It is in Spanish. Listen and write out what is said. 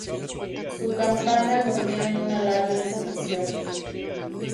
Su campana contiene una larga inscripción.